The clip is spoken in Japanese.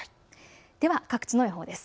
では各地の予報です。